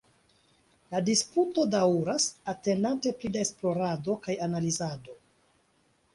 La disputo daŭras, atendante pli da esplorado kaj analizado.